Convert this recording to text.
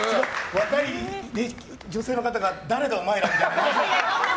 若い女性の方が誰だお前ら？みたいな。